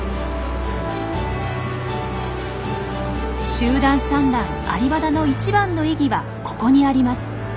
集団産卵・アリバダの一番の意義はここにあります。